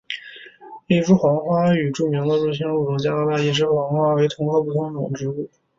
一枝黄花和著名的入侵物种加拿大一枝黄花为同科不同种植物。